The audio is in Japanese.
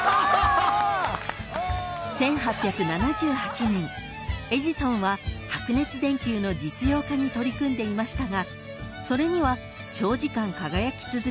［１８７８年エジソンは白熱電球の実用化に取り組んでいましたが］